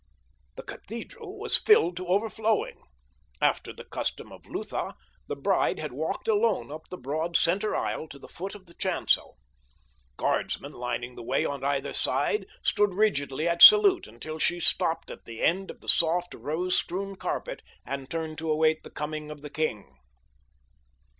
The cathedral was filled to overflowing. After the custom of Lutha, the bride had walked alone up the broad center aisle to the foot of the chancel. Guardsmen lining the way on either hand stood rigidly at salute until she stopped at the end of the soft, rose strewn carpet and turned to await the coming of the king.